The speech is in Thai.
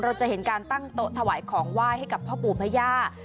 เราจะเห็นการตั้งโต๊ะถวายของไหว้ให้กับพ่อปู่แม่ย่า